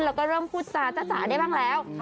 แล้วก็เริ่มพูดจาจ้าจ๋าได้บ้างแล้ว